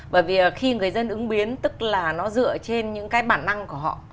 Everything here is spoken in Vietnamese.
bởi vì khi người dân ứng biến tức là nó dựa trên những cái bản năng của họ